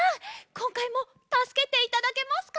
こんかいもたすけていただけますか？